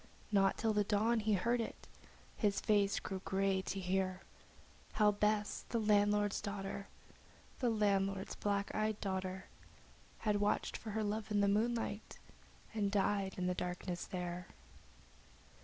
Not till the dawn did he hear it, and his face grew grey to hear How Bess, the landlord's daughter, The landlord's black eyed daughter, Had watched for her love in the moonlight, and died in the darkness there.